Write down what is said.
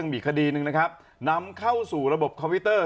มีคดีหนึ่งนะครับนำเข้าสู่ระบบคอมพิวเตอร์